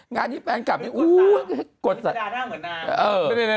งานนี้แฟนกับนี้กดสอง